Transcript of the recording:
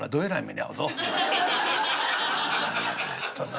えっとな